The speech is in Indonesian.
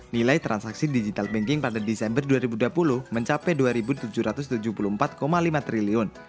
nilai transaksi digital banking pada desember dua ribu dua puluh mencapai rp dua tujuh ratus tujuh puluh empat lima triliun